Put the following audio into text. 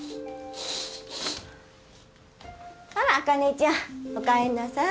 あら茜ちゃんおかえりなさい。